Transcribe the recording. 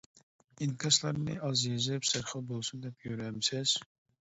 ئىنكاسلارنى ئاز يېزىپ، سەرخىل بولسۇن دەپ يۈرەمسىز.